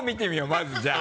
まずじゃあ。